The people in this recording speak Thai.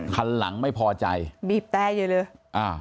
คันหลังไม่พอใจบีบแต๊กเยอะ